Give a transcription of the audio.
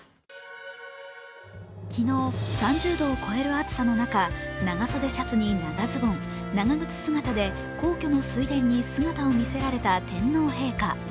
昨日、３０度を超える暑さの中長袖シャツに長ズボン、長靴姿で皇居の水田に姿を見せられた天皇陛下。